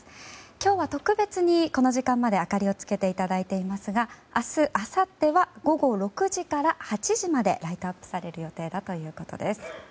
今日は特別にこの時間まで明かりをつけていただいていますが明日、あさっては午後６時から８時までライトアップされる予定だということです。